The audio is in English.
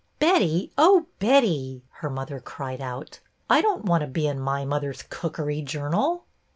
" Betty, oh, Betty," her mother cried out, I don't want to be in My Mother's Cookery Journal!